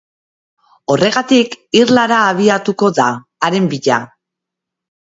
Horregatik, irlara abiatuko da, haren bila.